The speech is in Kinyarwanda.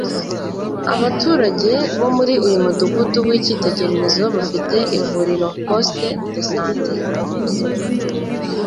Abaturage bo muri uyu mudugudu w’icyitegererezo bafite ivuriro (Poste de Santé)